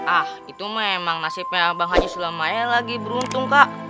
ah itu memang nasibnya bang haji sulamaya lagi beruntung kak